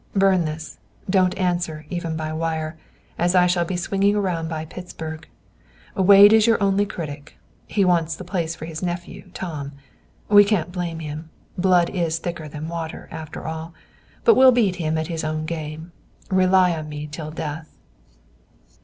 Burn this; don't answer, even by wire, as I shall be swinging around by Pittsburg. Wade is your only critic. He wants the place for his nephew, Tom. We can't blame him. Blood is thicker than water, after all; but we'll beat him at his own game. Rely on me till death."